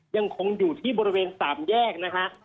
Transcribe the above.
ยังคงอยู่ที่บริเวณสามแยกนะครับ